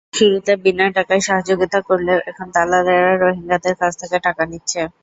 শুরুতে বিনা টাকায় সহযোগিতা করলেও এখন দালালেরা রোহিঙ্গাদের কাছ থেকে টাকা নিচ্ছে।